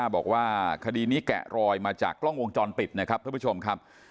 บอกว่าคดีนี้แกะรอยมาจากกล้องวงจรปิดนะครับท่านผู้ชมครับ